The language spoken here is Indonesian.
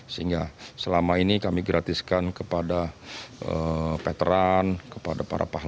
sehingga selama ini kami gratiskan kepada veteran kepada para pahlawan